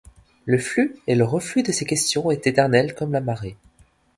Le flux et le reflux de ces questions est éternel comme la marée.